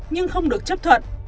nhưng không được chấp thuận